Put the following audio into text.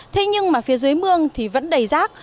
thế nhưng mà phía dưới mương thì vẫn đầy rác